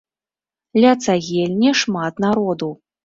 Ля цагельні шмат народу.